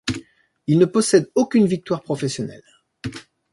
Il ne possède aucune victoire professionnelle.